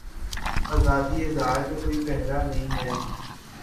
آزادیء اظہارپہ کوئی پہرا نہیں ہے۔